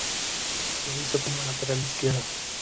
Lo hizo como lateral izquierdo.